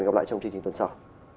hẹn gặp lại trong chương trình tuần sau